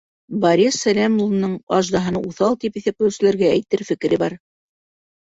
Борис Сәләм улының аждаһаны уҫал тип иҫәпләүселәргә әйтер фекере бар.